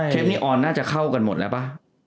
นี้ออนน่าจะเข้ากันหมดแล้วป่ะ